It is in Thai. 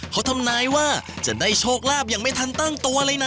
เขาทำนายว่าจะได้โชคลาภอย่างไม่ทันตั้งตัวเลยนะ